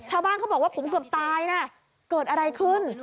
ชาวบ้านเขาบอกว่าผมเกือบตายนะเกิดอะไรขึ้น